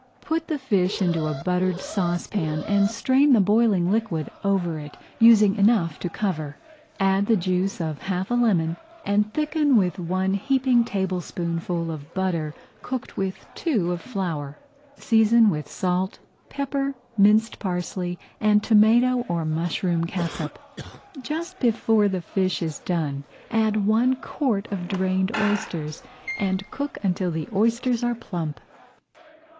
Put the fish into a buttered [Page 103] sauce pan and strain the boiling liquid over it, using enough to cover. Add the juice of half a lemon, and thicken with one heaping tablespoonful of butter cooked with two of flour. Season with salt, pepper, minced parsley, and tomato or mushroom catsup. Just before the fish is done add one quart of drained oysters and cook until the oysters are plump.